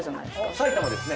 埼玉ですね。